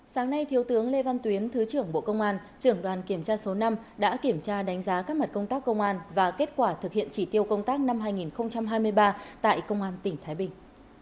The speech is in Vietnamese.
sáng nay thiếu tướng lê văn tuyến thứ trưởng bộ công an trưởng đoàn kiểm tra số năm đã kiểm tra đánh giá các mặt công tác công an và kết quả thực hiện chỉ tiêu công tác năm hai nghìn hai mươi ba tại công an tỉnh thái bình